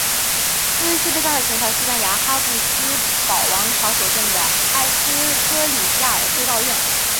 路易斯被葬在前朝西班牙哈布斯堡王朝所建的埃斯科里亚尔修道院。